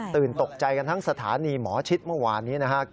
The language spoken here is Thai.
ตกใจกันทั้งสถานีหมอชิดเมื่อวานนี้นะครับ